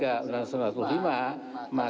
maka semua bisa dipercaya